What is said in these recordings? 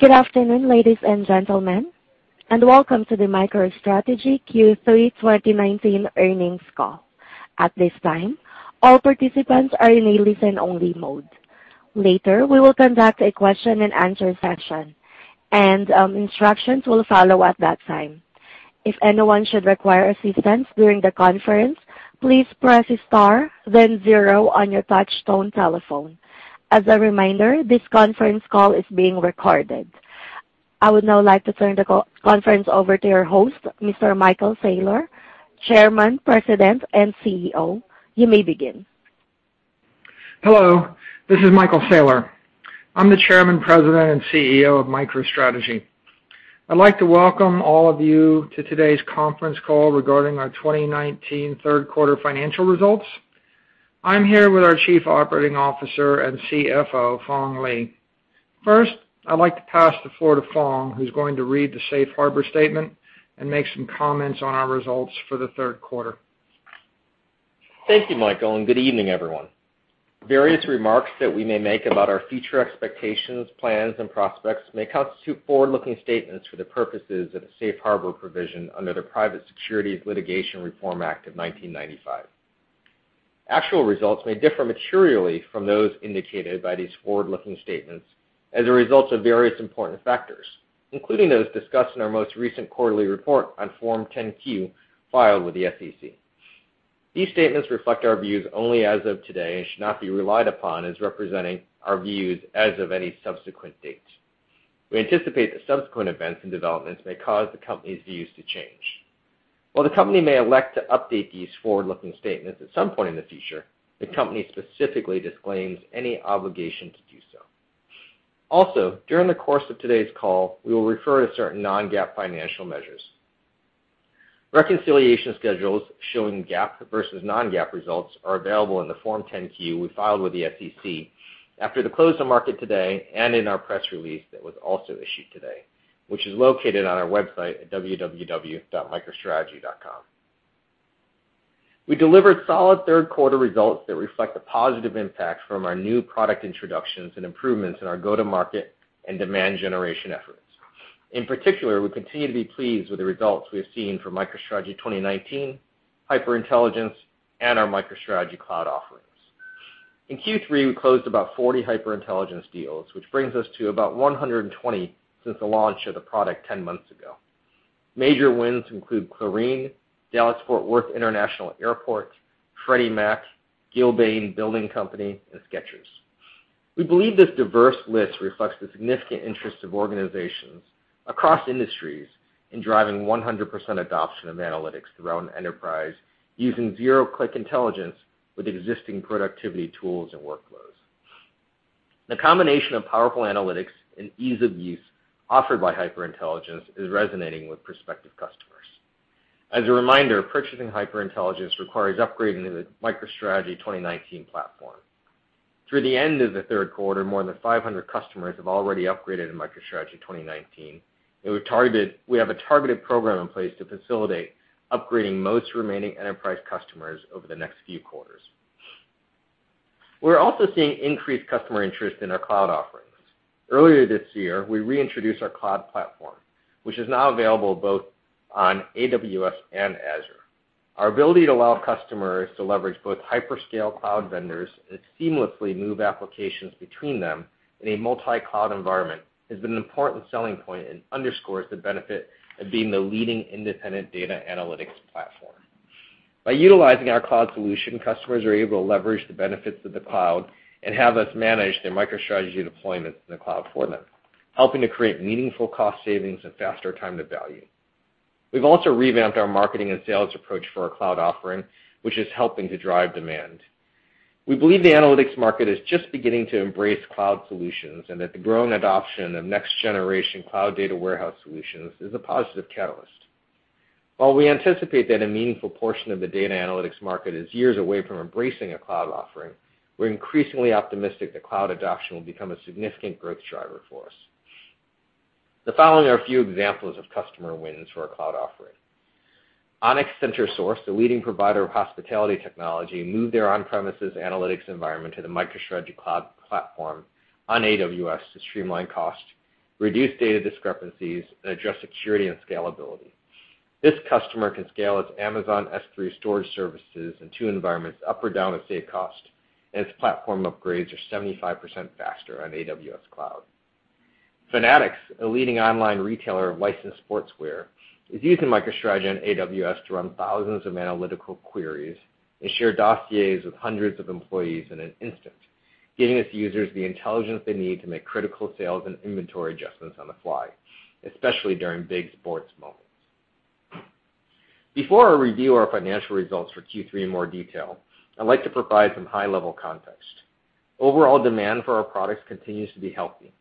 Good afternoon, ladies and gentlemen, and welcome to the MicroStrategy Q3 2019 earnings call. At this time, all participants are in a listen-only mode. Later, we will conduct a question and answer session, and instructions will follow at that time. If anyone should require assistance during the conference, please press star then zero on your touchtone telephone. As a reminder, this conference call is being recorded. I would now like to turn the conference over to your host, Mr. Michael Saylor, Chairman, President, and CEO. You may begin. Hello, this is Michael Saylor. I'm the Chairman, President, and CEO of MicroStrategy. I'd like to welcome all of you to today's conference call regarding our 2019 third quarter financial results. I'm here with our Chief Operating Officer and CFO, Phong Le. First, I'd like to pass the floor to Phong, who's going to read the safe harbor statement and make some comments on our results for the third quarter. Thank you, Michael, and good evening, everyone. Various remarks that we may make about our future expectations, plans, and prospects may constitute forward-looking statements for the purposes of the safe harbor provision under the Private Securities Litigation Reform Act of 1995. Actual results may differ materially from those indicated by these forward-looking statements as a result of various important factors, including those discussed in our most recent quarterly report on Form 10-Q filed with the SEC. These statements reflect our views only as of today and should not be relied upon as representing our views as of any subsequent date. We anticipate that subsequent events and developments may cause the company's views to change. While the company may elect to update these forward-looking statements at some point in the future, the company specifically disclaims any obligation to do so. Also, during the course of today's call, we will refer to certain non-GAAP financial measures. Reconciliation schedules showing GAAP versus non-GAAP results are available in the Form 10-Q we filed with the SEC after the close of market today and in our press release that was also issued today, which is located on our website at www.microstrategy.com. We delivered solid third-quarter results that reflect the positive impact from our new product introductions and improvements in our go-to-market and demand generation efforts. In particular, we continue to be pleased with the results we have seen from MicroStrategy 2019, HyperIntelligence, and our MicroStrategy Cloud offerings. In Q3, we closed about 40 HyperIntelligence deals, which brings us to about 120 since the launch of the product 10 months ago. Major wins include Clorox, Dallas Fort Worth International Airport, Freddie Mac, Gilbane Building Company, and Skechers. We believe this diverse list reflects the significant interest of organizations across industries in driving 100% adoption of analytics throughout an enterprise using zero-click intelligence with existing productivity tools and workflows. The combination of powerful analytics and ease of use offered by HyperIntelligence is resonating with prospective customers. As a reminder, purchasing HyperIntelligence requires upgrading to the MicroStrategy 2019 platform. Through the end of the third quarter, more than 500 customers have already upgraded to MicroStrategy 2019, and we have a targeted program in place to facilitate upgrading most remaining enterprise customers over the next few quarters. We're also seeing increased customer interest in our cloud offerings. Earlier this year, we reintroduced our cloud platform, which is now available both on AWS and Azure. Our ability to allow customers to leverage both hyperscale cloud vendors and seamlessly move applications between them in a multi-cloud environment has been an important selling point and underscores the benefit of being the leading independent data analytics platform. By utilizing our cloud solution, customers are able to leverage the benefits of the cloud and have us manage their MicroStrategy deployments in the cloud for them, helping to create meaningful cost savings and faster time to value. We've also revamped our marketing and sales approach for our cloud offering, which is helping to drive demand. We believe the analytics market is just beginning to embrace cloud solutions, and that the growing adoption of next-generation cloud data warehouse solutions is a positive catalyst. While we anticipate that a meaningful portion of the data analytics market is years away from embracing a cloud offering, we're increasingly optimistic that cloud adoption will become a significant growth driver for us. The following are a few examples of customer wins for our cloud offering. Onyx CenterSource, the leading provider of hospitality technology, moved their on-premises analytics environment to the MicroStrategy Cloud platform on AWS to streamline costs, reduce data discrepancies, and address security and scalability. This customer can scale its Amazon S3 storage services in two environments up or down to save cost, and its platform upgrades are 75% faster on AWS Cloud. Fanatics, a leading online retailer of licensed sportswear, is using MicroStrategy on AWS to run thousands of analytical queries and share dossiers with hundreds of employees in an instant, giving its users the intelligence they need to make critical sales and inventory adjustments on the fly, especially during big sports moments. Before I review our financial results for Q3 in more detail, I'd like to provide some high-level context. Overall demand for our products continues to be healthy.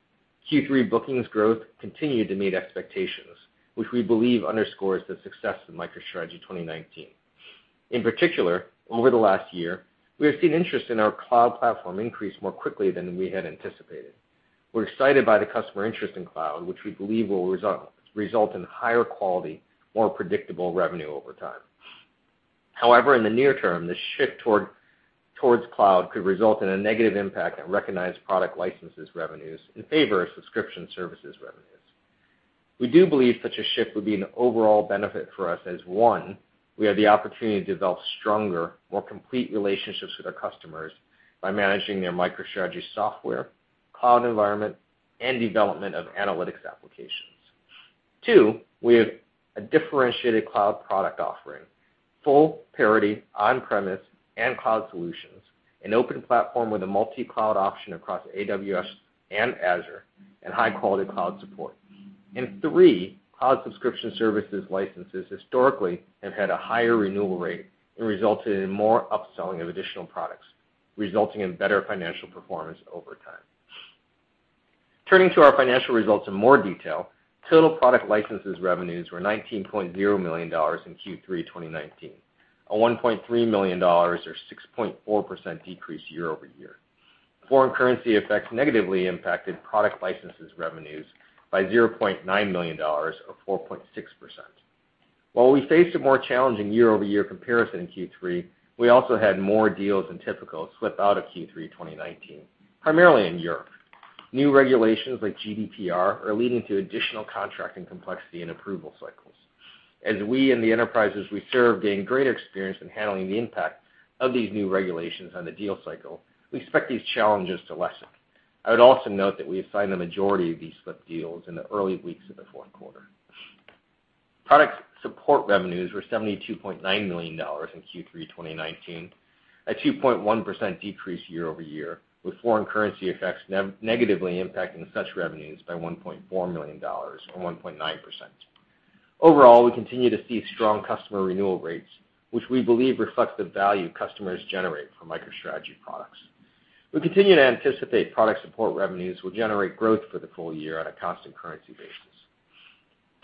Q3 bookings growth continued to meet expectations, which we believe underscores the success of MicroStrategy 2019. In particular, over the last year, we have seen interest in our cloud platform increase more quickly than we had anticipated. We're excited by the customer interest in cloud, which we believe will result in higher quality, more predictable revenue over time. In the near term, the shift towards cloud could result in a negative impact on recognized product licenses revenues in favor of subscription services revenues. We do believe such a shift would be an overall benefit for us as one, we have the opportunity to develop stronger, more complete relationships with our customers by managing their MicroStrategy software, cloud environment, and development of analytics applications. Two, we have a differentiated cloud product offering, full parity on-premise and cloud solutions, an open platform with a multi-cloud option across AWS and Azure, and high-quality cloud support. Three, cloud subscription services licenses historically have had a higher renewal rate and resulted in more upselling of additional products, resulting in better financial performance over time. Turning to our financial results in more detail, total product licenses revenues were $19.0 million in Q3 2019, a $1.3 million or 6.4% decrease year-over-year. Foreign currency effects negatively impacted product licenses revenues by $0.9 million or 4.6%. While we faced a more challenging year-over-year comparison in Q3, we also had more deals than typical slip out of Q3 2019, primarily in Europe. New regulations like GDPR are leading to additional contracting complexity and approval cycles. As we and the enterprises we serve gain greater experience in handling the impact of these new regulations on the deal cycle, we expect these challenges to lessen. I would also note that we have signed the majority of these slipped deals in the early weeks of the fourth quarter. Product support revenues were $72.9 million in Q3 2019, a 2.1% decrease year-over-year, with foreign currency effects negatively impacting such revenues by $1.4 million or 1.9%. Overall, we continue to see strong customer renewal rates, which we believe reflects the value customers generate from MicroStrategy products. We continue to anticipate product support revenues will generate growth for the full year on a constant currency basis.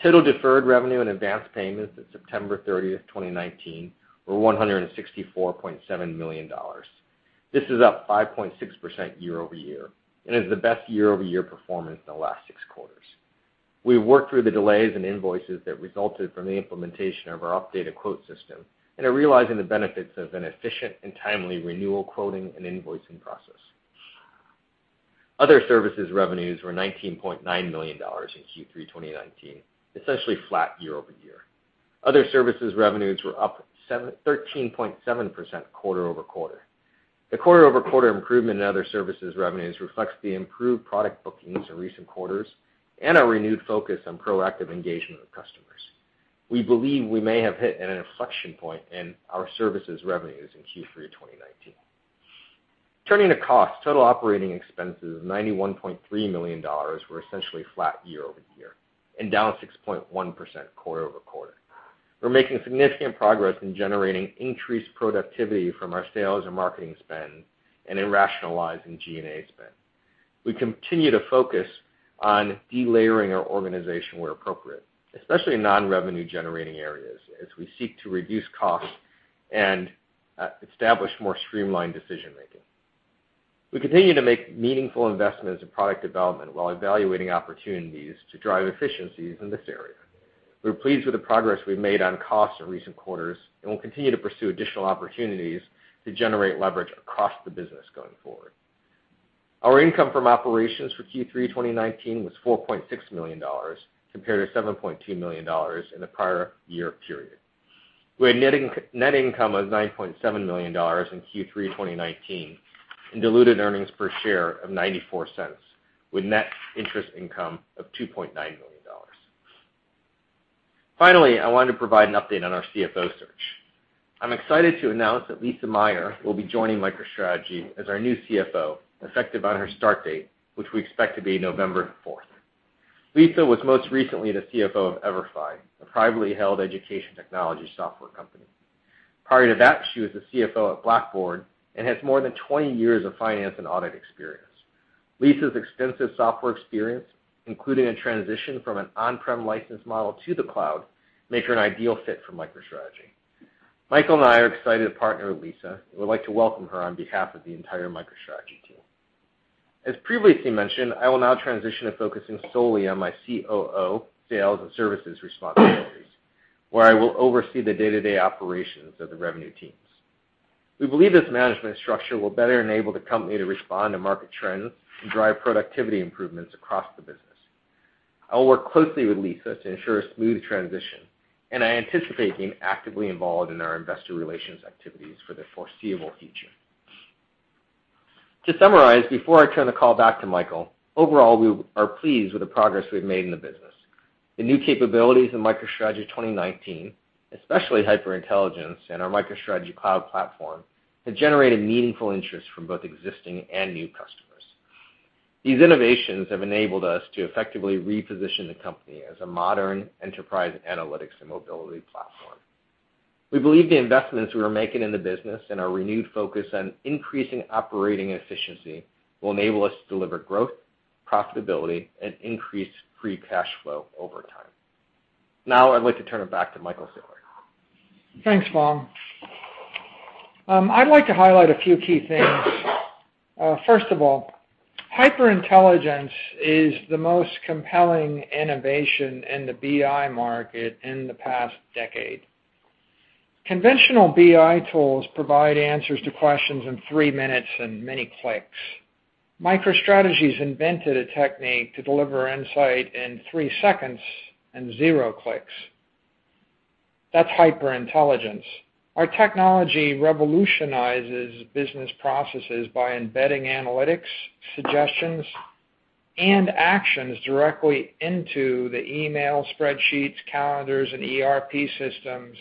Total deferred revenue and advanced payments at September 30th, 2019, were $164.7 million. This is up 5.6% year-over-year and is the best year-over-year performance in the last six quarters. We have worked through the delays in invoices that resulted from the implementation of our updated quote system and are realizing the benefits of an efficient and timely renewal quoting and invoicing process. Other services revenues were $19.9 million in Q3 2019, essentially flat year-over-year. Other services revenues were up 13.7% quarter-over-quarter. The quarter-over-quarter improvement in other services revenues reflects the improved product bookings in recent quarters and a renewed focus on proactive engagement with customers. We believe we may have hit an inflection point in our services revenues in Q3 2019. Turning to costs, total operating expenses of $91.3 million were essentially flat year-over-year and down 6.1% quarter-over-quarter. We're making significant progress in generating increased productivity from our sales and marketing spend and in rationalizing G&A spend. We continue to focus on delayering our organization where appropriate, especially in non-revenue-generating areas, as we seek to reduce costs and establish more streamlined decision-making. We continue to make meaningful investments in product development while evaluating opportunities to drive efficiencies in this area. We are pleased with the progress we've made on costs in recent quarters. We'll continue to pursue additional opportunities to generate leverage across the business going forward. Our income from operations for Q3 2019 was $4.6 million compared to $7.2 million in the prior year period. We had net income of $9.7 million in Q3 2019 and diluted earnings per share of $0.94, with net interest income of $2.9 million. Finally, I wanted to provide an update on our CFO search. I'm excited to announce that Lisa Mayr will be joining MicroStrategy as our new CFO, effective on her start date, which we expect to be November 4th. Lisa was most recently the CFO of EVERFI, a privately held education technology software company. Prior to that, she was the CFO at Blackboard and has more than 20 years of finance and audit experience. Lisa's extensive software experience, including a transition from an on-prem license model to the cloud, make her an ideal fit for MicroStrategy. Michael and I are excited to partner with Lisa and would like to welcome her on behalf of the entire MicroStrategy team. As previously mentioned, I will now transition to focusing solely on my COO sales and services responsibilities, where I will oversee the day-to-day operations of the revenue teams. We believe this management structure will better enable the company to respond to market trends and drive productivity improvements across the business. I will work closely with Lisa to ensure a smooth transition, and I anticipate being actively involved in our investor relations activities for the foreseeable future. To summarize, before I turn the call back to Michael, overall, we are pleased with the progress we've made in the business. The new capabilities of MicroStrategy 2019, especially HyperIntelligence and our MicroStrategy Cloud, have generated meaningful interest from both existing and new customers. These innovations have enabled us to effectively reposition the company as a modern enterprise analytics and mobility platform. We believe the investments we are making in the business and our renewed focus on increasing operating efficiency will enable us to deliver growth, profitability, and increased free cash flow over time. Now, I'd like to turn it back to Michael Saylor. Thanks, Phong. I'd like to highlight a few key things. First of all, HyperIntelligence is the most compelling innovation in the BI market in the past decade. Conventional BI tools provide answers to questions in three minutes and many clicks. MicroStrategy's invented a technique to deliver insight in three seconds and zero clicks. That's HyperIntelligence. Our technology revolutionizes business processes by embedding analytics, suggestions, and actions directly into the email, spreadsheets, calendars, and ERP systems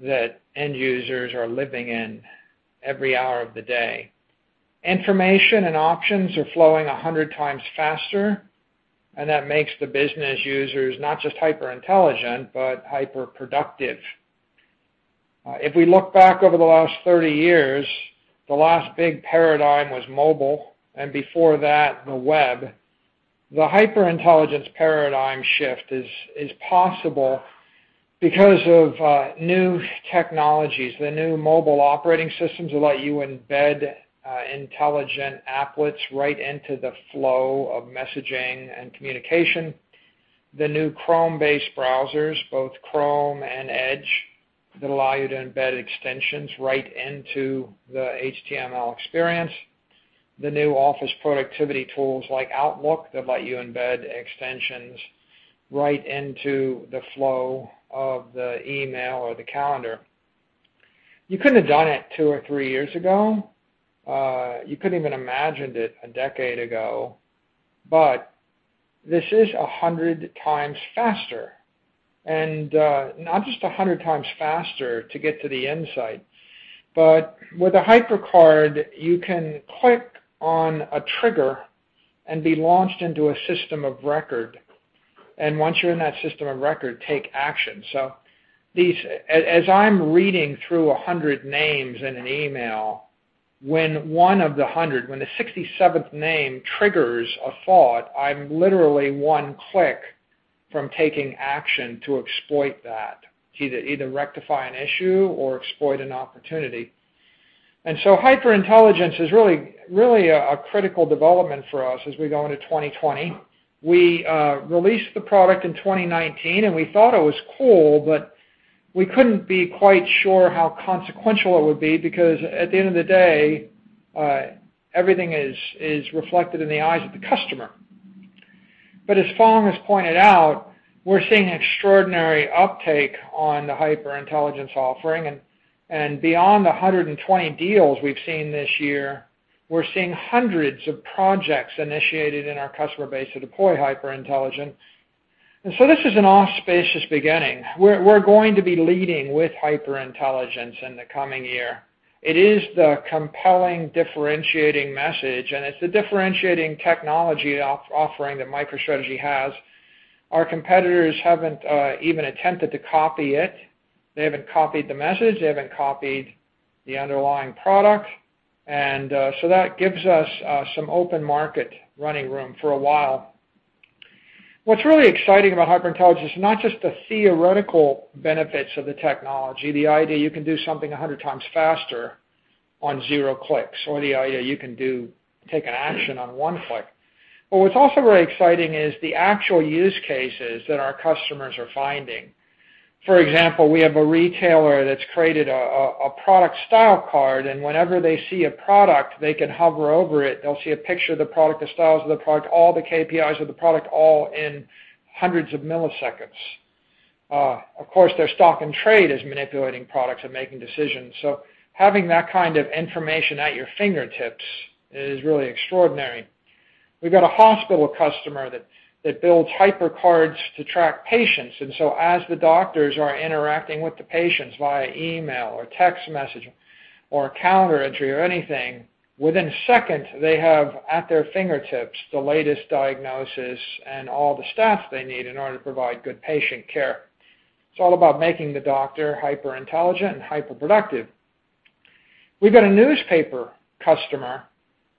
that end users are living in every hour of the day. Information and options are flowing 100 times faster, and that makes the business users not just hyper-intelligent, but hyper-productive. If we look back over the last 30 years, the last big paradigm was mobile, and before that, the web. The HyperIntelligence paradigm shift is possible because of new technologies. The new mobile operating systems let you embed intelligent applets right into the flow of messaging and communication. The new Chrome-based browsers, both Chrome and Edge, that allow you to embed extensions right into the HTML experience. The new office productivity tools like Outlook that let you embed extensions right into the flow of the email or the calendar. You couldn't have done it two or three years ago. You couldn't even imagined it a decade ago. This is 100 times faster. Not just 100 times faster to get to the insight, but with a HyperCard, you can click on a trigger and be launched into a system of record. Once you're in that system of record, take action. As I'm reading through 100 names in an email, when one of the 100, when the 67th name triggers a thought, I'm literally one click from taking action to exploit that, to either rectify an issue or exploit an opportunity. HyperIntelligence is really a critical development for us as we go into 2020. We released the product in 2019, and we thought it was cool, but we couldn't be quite sure how consequential it would be because at the end of the day, everything is reflected in the eyes of the customer. As Phong has pointed out, we're seeing extraordinary uptake on the HyperIntelligence offering, and beyond the 120 deals we've seen this year, we're seeing hundreds of projects initiated in our customer base to deploy HyperIntelligence. This is an auspicious beginning. We're going to be leading with HyperIntelligence in the coming year. It is the compelling differentiating message, and it's the differentiating technology offering that MicroStrategy has. Our competitors haven't even attempted to copy it. They haven't copied the message, they haven't copied the underlying product. That gives us some open market running room for a while. What's really exciting about HyperIntelligence is not just the theoretical benefits of the technology, the idea you can do something 100 times faster on zero clicks, or the idea you can take an action on one click. What's also very exciting is the actual use cases that our customers are finding. For example, we have a retailer that's created a product style card, and whenever they see a product, they can hover over it. They'll see a picture of the product, the styles of the product, all the KPIs of the product, all in hundreds of milliseconds. Their stock and trade is manipulating products and making decisions. Having that kind of information at your fingertips is really extraordinary. We've got a hospital customer that builds HyperCards to track patients. As the doctors are interacting with the patients via email or text message or calendar entry or anything, within seconds, they have at their fingertips the latest diagnosis and all the stats they need in order to provide good patient care. It's all about making the doctor hyper-intelligent and hyper-productive. We've got a newspaper customer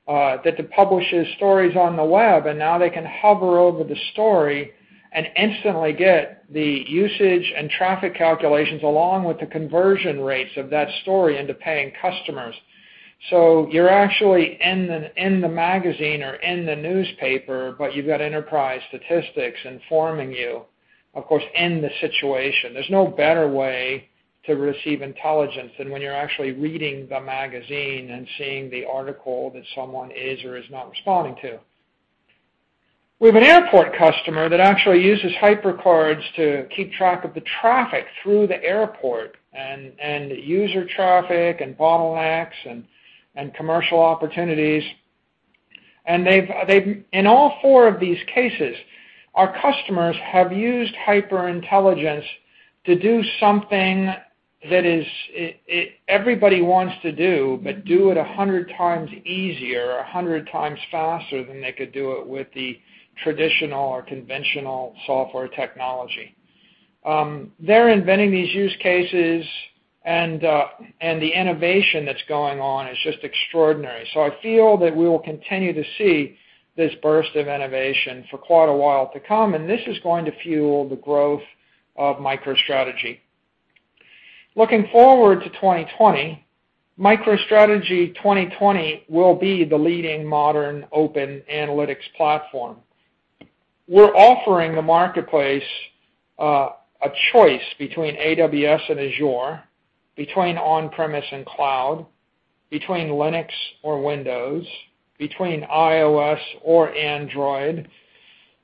that publishes stories on the web, now they can hover over the story and instantly get the usage and traffic calculations, along with the conversion rates of that story into paying customers. You're actually in the magazine or in the newspaper, you've got enterprise statistics informing you, of course, in the situation. There's no better way to receive intelligence than when you're actually reading the magazine and seeing the article that someone is or is not responding to. We have an airport customer that actually uses HyperCards to keep track of the traffic through the airport and user traffic and bottlenecks and commercial opportunities. In all four of these cases, our customers have used HyperIntelligence to do something that everybody wants to do, but do it 100 times easier, 100 times faster than they could do it with the traditional or conventional software technology. The innovation that's going on is just extraordinary. I feel that we will continue to see this burst of innovation for quite a while to come, and this is going to fuel the growth of MicroStrategy. Looking forward to 2020, MicroStrategy 2020 will be the leading modern open analytics platform. We're offering the marketplace a choice between AWS and Azure, between on-premise and cloud, between Linux or Windows, between iOS or Android,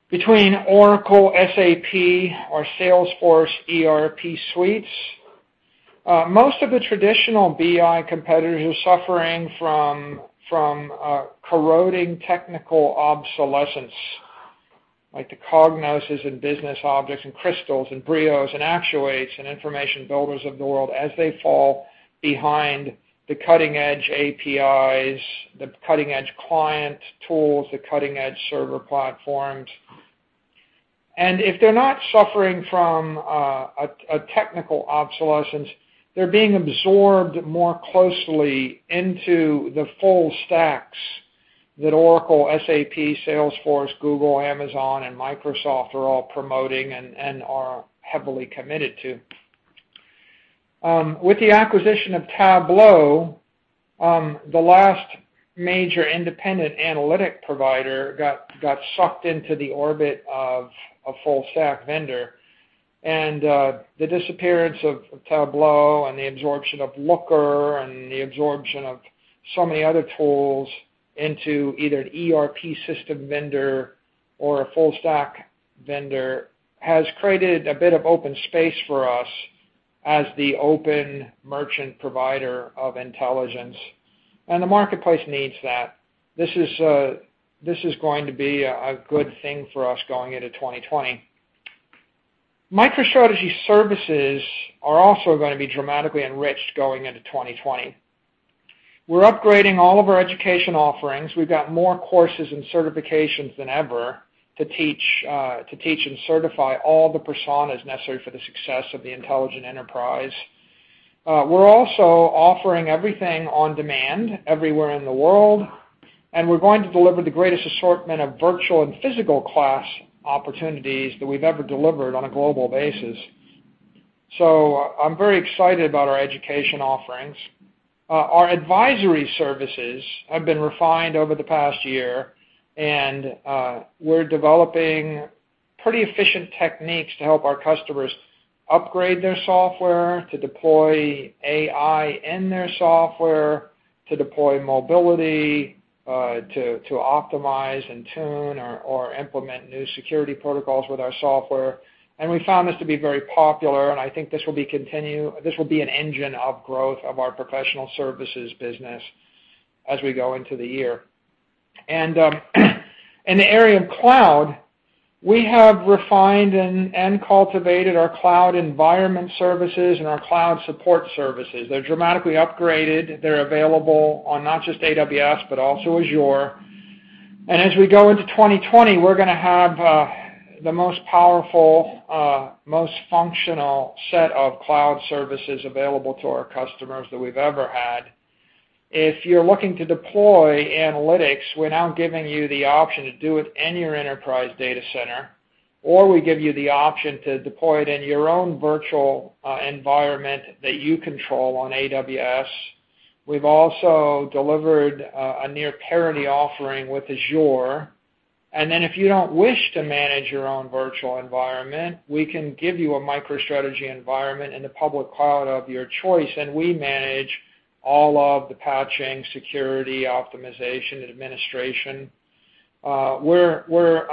between Oracle, SAP, or Salesforce ERP suites. Most of the traditional BI competitors are suffering from corroding technical obsolescence, like the Cognoses and Business Objects and Crystals and Brios and Actuates and Information Builders of the world, as they fall behind the cutting-edge APIs, the cutting-edge client tools, the cutting-edge server platforms. If they're not suffering from a technical obsolescence, they're being absorbed more closely into the full stacks that Oracle, SAP, Salesforce, Google, Amazon, and Microsoft are all promoting and are heavily committed to. With the acquisition of Tableau, the last major independent analytic provider got sucked into the orbit of a full stack vendor. The disappearance of Tableau and the absorption of Looker and the absorption of so many other tools into either an ERP system vendor or a full stack vendor has created a bit of open space for us as the open merchant provider of intelligence, and the marketplace needs that. This is going to be a good thing for us going into 2020. MicroStrategy services are also going to be dramatically enriched going into 2020. We're upgrading all of our education offerings. We've got more courses and certifications than ever to teach and certify all the personas necessary for the success of the intelligent enterprise. We're also offering everything on demand everywhere in the world, and we're going to deliver the greatest assortment of virtual and physical class opportunities that we've ever delivered on a global basis. I'm very excited about our education offerings. Our advisory services have been refined over the past year, and we're developing pretty efficient techniques to help our customers upgrade their software, to deploy AI in their software, to deploy mobility, to optimize and tune or implement new security protocols with our software. We found this to be very popular, and I think this will be an engine of growth of our professional services business as we go into the year. In the area of cloud, we have refined and cultivated our cloud environment services and our cloud support services. They're dramatically upgraded. They're available on not just AWS, but also Azure. As we go into 2020, we're going to have the most powerful, most functional set of cloud services available to our customers that we've ever had. If you're looking to deploy analytics, we're now giving you the option to do it in your enterprise data center, or we give you the option to deploy it in your own virtual environment that you control on AWS. We've also delivered a near parity offering with Azure. If you don't wish to manage your own virtual environment, we can give you a MicroStrategy environment in the public cloud of your choice, and we manage all of the patching, security, optimization, administration. We're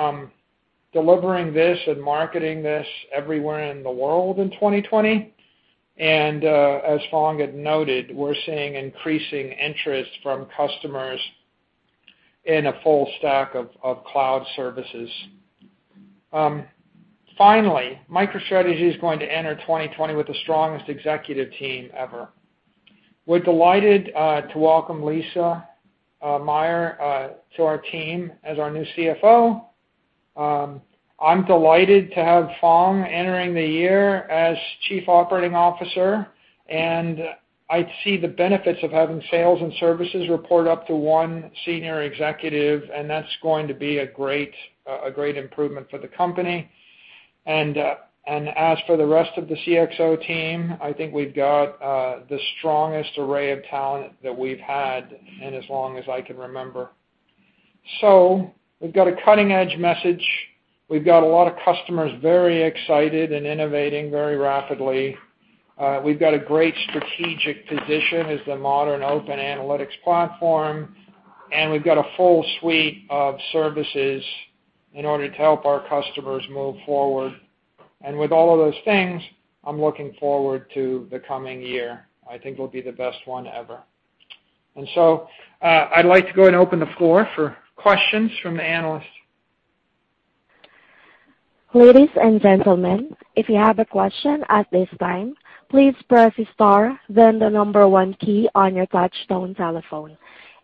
delivering this and marketing this everywhere in the world in 2020. As Phong had noted, we're seeing increasing interest from customers in a full stack of cloud services. Finally, MicroStrategy is going to enter 2020 with the strongest executive team ever. We're delighted to welcome Lisa Mayr to our team as our new CFO. I'm delighted to have Phong entering the year as Chief Operating Officer. I see the benefits of having sales and services report up to one senior executive. That's going to be a great improvement for the company. As for the rest of the CXO team, I think we've got the strongest array of talent that we've had in as long as I can remember. We've got a cutting-edge message. We've got a lot of customers very excited and innovating very rapidly. We've got a great strategic position as the modern open analytics platform. We've got a full suite of services in order to help our customers move forward. With all of those things, I'm looking forward to the coming year. I think it'll be the best one ever. I'd like to go and open the floor for questions from the analysts. Ladies and gentlemen, if you have a question at this time, please press star then the number one key on your touchtone telephone.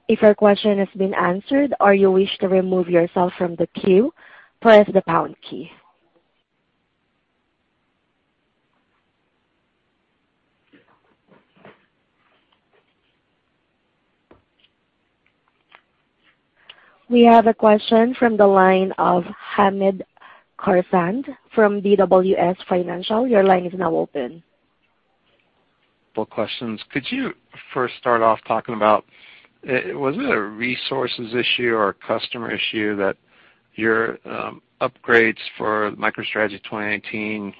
If your question has been answered or you wish to remove yourself from the queue, press the pound key. We have a question from the line of Hamed Khorsand from BWS Financial. Your line is now open. Four questions. Could you first start off talking about, was it a resources issue or a customer issue that your upgrades for MicroStrategy 2019,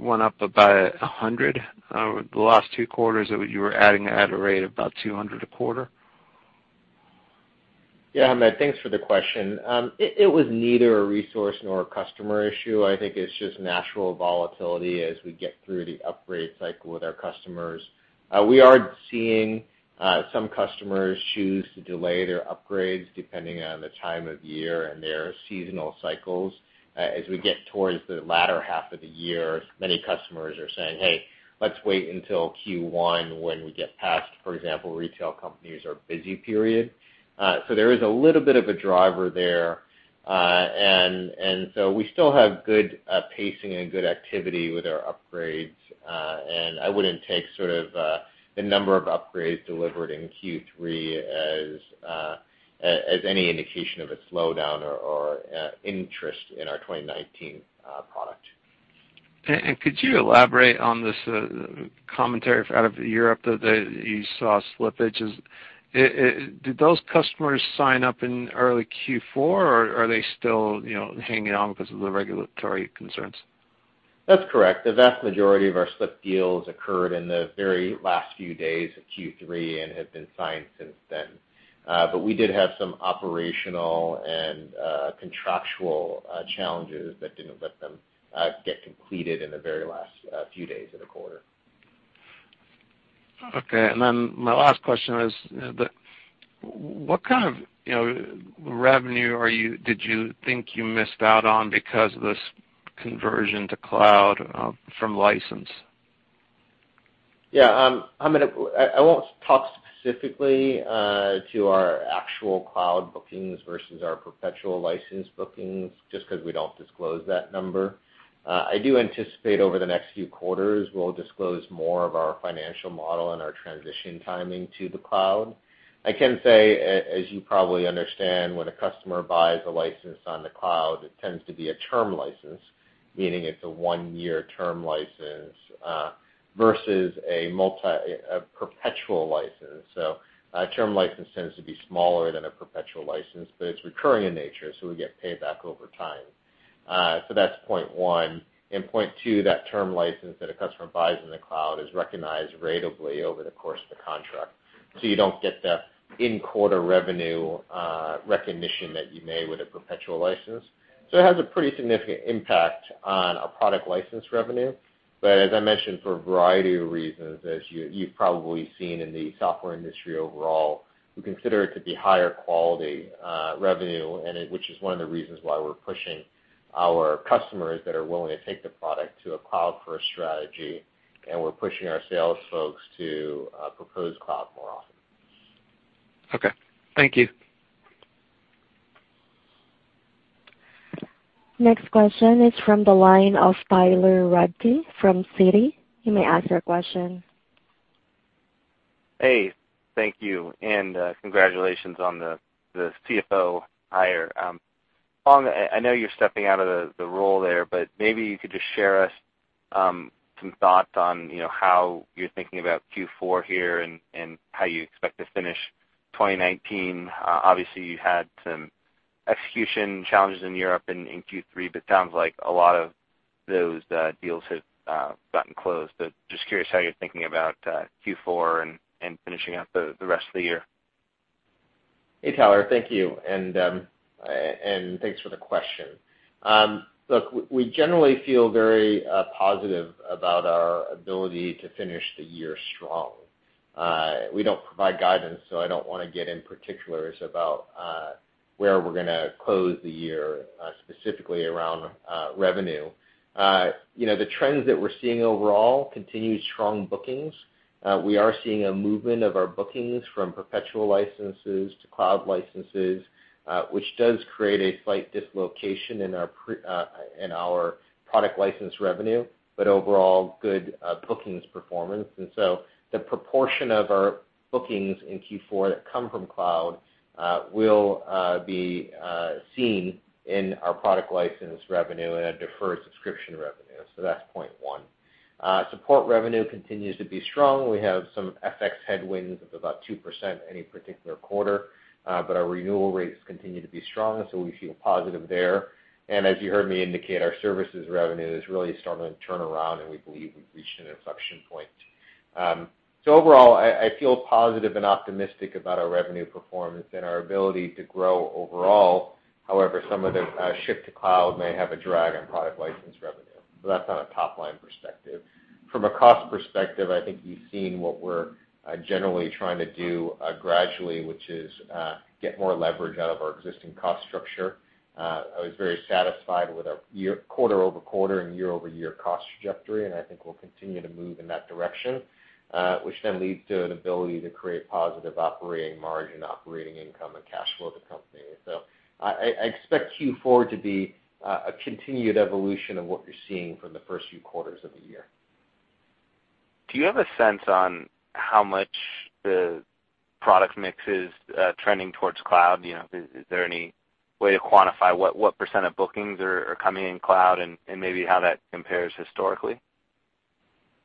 went up about 100 over the last two quarters that you were adding at a rate of about 200 a quarter? Hamed, thanks for the question. It was neither a resource nor a customer issue. I think it's just natural volatility as we get through the upgrade cycle with our customers. We are seeing some customers choose to delay their upgrades depending on the time of year and their seasonal cycles. As we get towards the latter half of the year, many customers are saying, Hey, let's wait until Q1 when we get past, for example, retail companies are busy, period. There is a little bit of a driver there. We still have good pacing and good activity with our upgrades. I wouldn't take the number of upgrades delivered in Q3 as any indication of a slowdown or interest in our 2019 product. Could you elaborate on this commentary out of Europe that you saw slippages? Did those customers sign up in early Q4, or are they still hanging on because of the regulatory concerns? That's correct. The vast majority of our slipped deals occurred in the very last few days of Q3 and have been signed since then. We did have some operational and contractual challenges that didn't let them get completed in the very last few days of the quarter. Okay, my last question was, what kind of revenue did you think you missed out on because of this conversion to cloud from license? Hamed, I won't talk specifically to our actual cloud bookings versus our perpetual license bookings, just because we don't disclose that number. I do anticipate over the next few quarters, we'll disclose more of our financial model and our transition timing to the cloud. I can say, as you probably understand, when a customer buys a license on the cloud, it tends to be a term license, meaning it's a one-year term license, versus a perpetual license. A term license tends to be smaller than a perpetual license, but it's recurring in nature, so we get paid back over time. That's point one. Point two, that term license that a customer buys in the cloud is recognized ratably over the course of the contract. You don't get the in-quarter revenue recognition that you may with a perpetual license. It has a pretty significant impact on our product license revenue. As I mentioned, for a variety of reasons, as you've probably seen in the software industry overall, we consider it to be higher quality revenue, which is one of the reasons why we're pushing our customers that are willing to take the product to a cloud-first strategy, and we're pushing our sales folks to propose cloud more often. Okay. Thank you. Next question is from the line of Tyler Radke from Citi. You may ask your question. Hey, thank you, and congratulations on the CFO hire. Phong, I know you're stepping out of the role there, but maybe you could just share us some thoughts on how you're thinking about Q4 here and how you expect to finish 2019. Obviously, you had some execution challenges in Europe in Q3, but sounds like a lot of those deals have gotten closed. Just curious how you're thinking about Q4 and finishing out the rest of the year. Hey, Tyler. Thank you. Thanks for the question. Look, we generally feel very positive about our ability to finish the year strong. We don't provide guidance, so I don't want to get in particulars about where we're going to close the year, specifically around revenue. The trends that we're seeing overall continue strong bookings. We are seeing a movement of our bookings from perpetual licenses to cloud licenses, which does create a slight dislocation in our product license revenue, but overall, good bookings performance. The proportion of our bookings in Q4 that come from cloud will be seen in our product license revenue and a deferred subscription revenue. That's point one. Support revenue continues to be strong. We have some FX headwinds of about 2% any particular quarter. Our renewal rates continue to be strong, so we feel positive there. As you heard me indicate, our services revenue is really starting to turn around, and we believe we've reached an inflection point. Overall, I feel positive and optimistic about our revenue performance and our ability to grow overall. However, some of the shift to cloud may have a drag on product license revenue, but that's on a top-line perspective. From a cost perspective, I think you've seen what we're generally trying to do gradually, which is get more leverage out of our existing cost structure. I was very satisfied with our quarter-over-quarter and year-over-year cost trajectory, and I think we'll continue to move in that direction, which then leads to an ability to create positive operating margin, operating income, and cash flow to company. I expect Q4 to be a continued evolution of what you're seeing from the first few quarters of the year. Do you have a sense on how much the product mix is trending towards cloud? Is there any way to quantify what % of bookings are coming in cloud and maybe how that compares historically?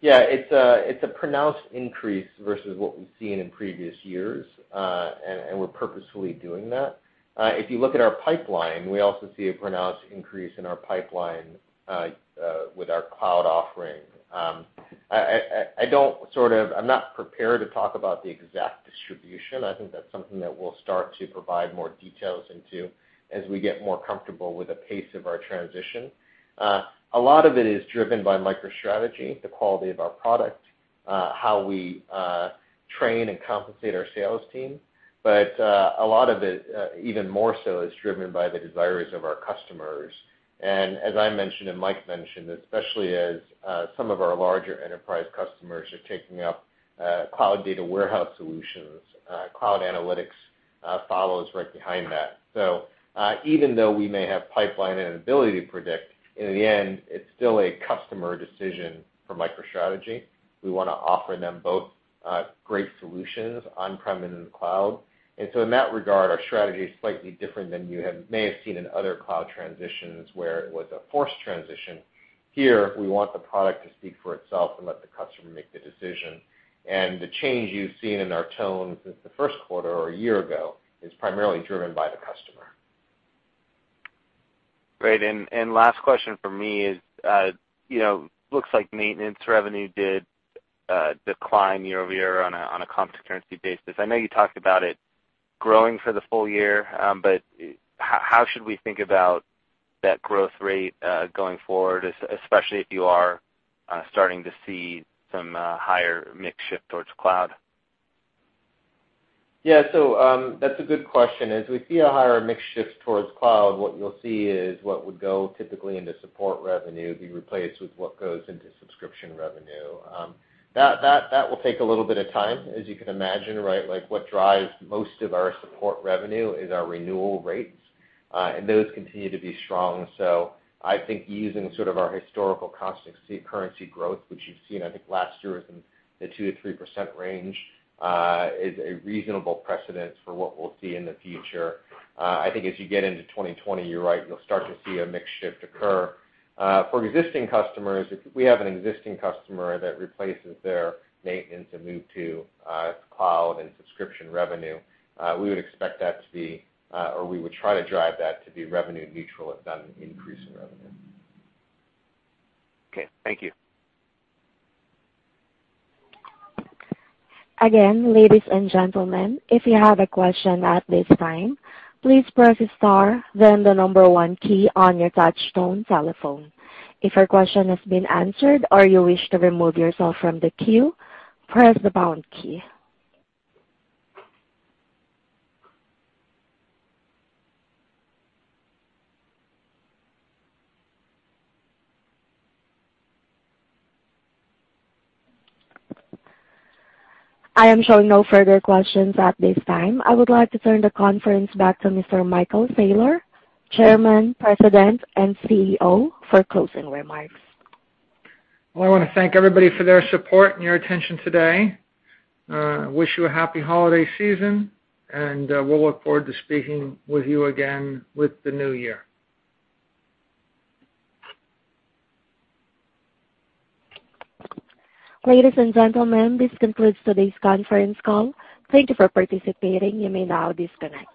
It's a pronounced increase versus what we've seen in previous years. We're purposefully doing that. If you look at our pipeline, we also see a pronounced increase in our pipeline with our cloud offering. I'm not prepared to talk about the exact distribution. I think that's something that we'll start to provide more details into as we get more comfortable with the pace of our transition. A lot of it is driven by MicroStrategy, the quality of our product, how we train and compensate our sales team. A lot of it, even more so, is driven by the desires of our customers. As I mentioned and Mike mentioned, especially as some of our larger enterprise customers are taking up cloud data warehouse solutions, cloud analytics follows right behind that. Even though we may have pipeline and ability to predict, in the end, it's still a customer decision for MicroStrategy. We want to offer them both great solutions on-prem and in the cloud. In that regard, our strategy is slightly different than you may have seen in other cloud transitions where it was a forced transition. Here, we want the product to speak for itself and let the customer make the decision. The change you've seen in our tone since the first quarter or a year ago is primarily driven by the customer. Great. Last question from me is, looks like maintenance revenue did decline year-over-year on a constant currency basis. I know you talked about it growing for the full year. How should we think about that growth rate going forward, especially if you are starting to see some higher mix shift towards cloud? That's a good question. As we see a higher mix shift towards cloud, what you'll see is what would go typically into support revenue be replaced with what goes into subscription revenue. That will take a little bit of time, as you can imagine, right? What drives most of our support revenue is our renewal rates, and those continue to be strong. I think using sort of our historical constant currency growth, which you've seen, I think last year was in the 2%-3% range, is a reasonable precedent for what we'll see in the future. I think as you get into 2020, you're right, you'll start to see a mix shift occur. For existing customers, if we have an existing customer that replaces their maintenance and move to cloud and subscription revenue, we would try to drive that to be revenue neutral, if not an increase in revenue. Okay. Thank you. Again, ladies and gentlemen, if you have a question at this time, please press star then the number one key on your touch-tone telephone. If your question has been answered or you wish to remove yourself from the queue, press the pound key. I am showing no further questions at this time. I would like to turn the conference back to Mr. Michael Saylor, Chairman, President and CEO, for closing remarks. Well, I want to thank everybody for their support and your attention today. Wish you a happy holiday season and we'll look forward to speaking with you again with the new year. Ladies and gentlemen, this concludes today's conference call. Thank you for participating. You may now disconnect.